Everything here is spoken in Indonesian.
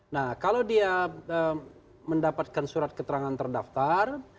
nah kalau dia mendapatkan surat keterangan terdaftar